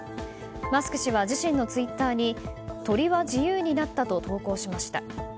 マスク氏は、自身のツイッターに鳥は自由になったと投稿しました。